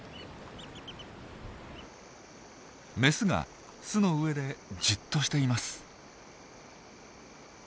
メスが巣の上でじっとしています。